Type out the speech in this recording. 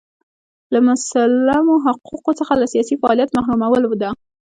له مسلمو حقونو څخه له سیاسي فعالیته محرومول ده.